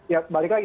ya balik lagi